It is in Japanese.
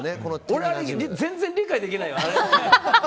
俺、あれ全然理解できないわ。